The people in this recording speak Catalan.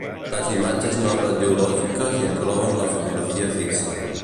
Les imatges no radiològiques inclouen la fotografia fixa.